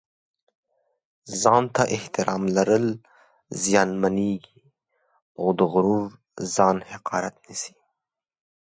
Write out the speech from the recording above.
ځان ته احترام لرل زیانمېږي او د غرور ځای حقارت نیسي.